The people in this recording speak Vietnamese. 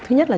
thứ nhất là